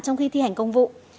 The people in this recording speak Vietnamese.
trong khi thi hành công vụ